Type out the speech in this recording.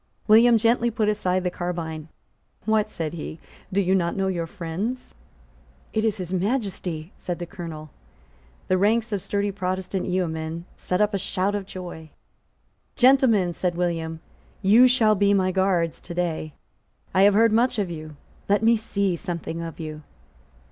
William gently put aside the carbine. "What," said he, "do you not know your friends?" "It is His Majesty;" said the Colonel. The ranks of sturdy Protestant yeomen set up a shout of joy. "Gentlemen," said William, "you shall be my guards to day. I have heard much of you. Let me see something of you."